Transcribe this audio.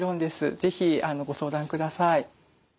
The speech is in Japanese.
是非ご相談ください。